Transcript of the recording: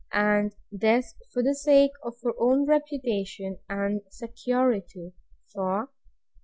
And this for the sake of her own reputation and security; for, 36.